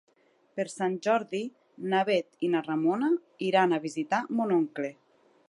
Per Sant Jordi na Bet i na Ramona iran a visitar mon oncle.